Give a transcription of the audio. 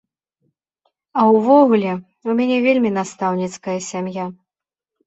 А ўвогуле, у мяне вельмі настаўніцкая сям'я.